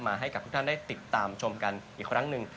ให้กับทุกท่านได้ติดตามชมกันอีกครั้งหนึ่ง